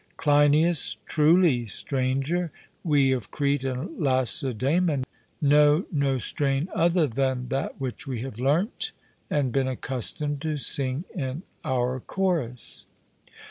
CLEINIAS: Truly, Stranger, we of Crete and Lacedaemon know no strain other than that which we have learnt and been accustomed to sing in our chorus.